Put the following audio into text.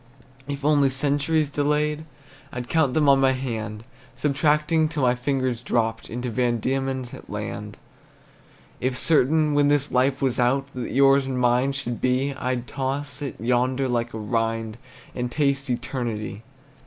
If only centuries delayed, I'd count them on my hand, Subtracting till my fingers dropped Into Van Diemen's land. If certain, when this life was out, That yours and mine should be, I'd toss it yonder like a rind, And taste eternity.